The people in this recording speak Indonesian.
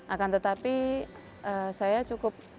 akan tetapi saya cukup